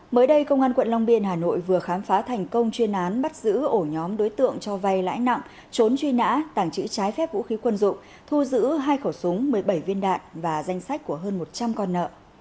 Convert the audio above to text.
mới đây công an quận long biên hà nội vừa khám phá thành công chuyên án bắt giữ ổ nhóm đối tượng cho vay lãi nặng trốn truy nã tàng trữ trái phép vũ khí quân dụng thu giữ hai khẩu súng một mươi bảy viên đạn và danh sách của hơn một trăm linh con nợ